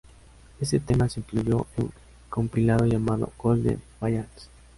Este tema se incluyó en un compilado llamado "Golden Ballads".